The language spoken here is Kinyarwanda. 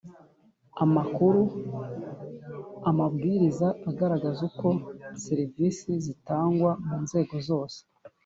amakuru. Amabwiriza agaragaza uko serivisi zitangwa mu nzego zose